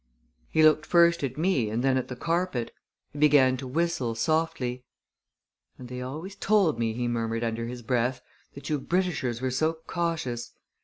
He looked first at me and then at the carpet. He began to whistle softly. "And they always told me," he murmured under his breath, "that you Britishers were so cautious!